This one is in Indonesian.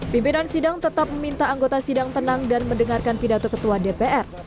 pimpinan sidang tetap meminta anggota sidang tenang dan mendengarkan pidato ketua dpr